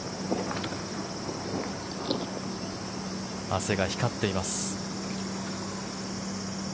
汗が光っています。